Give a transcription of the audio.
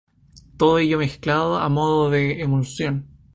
Todo ello mezclado a modo de emulsión.